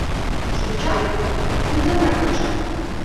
Шинчам кумданрак почам.